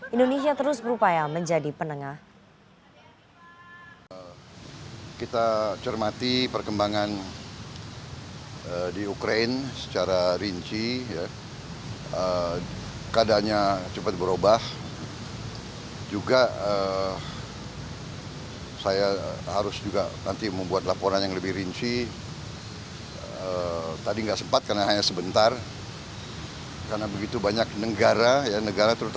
indonesia terus berupaya menjadi penengah